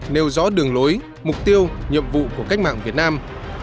nêu rõ đường lối mục tiêu nhiệm vụ của cách mạng việt nam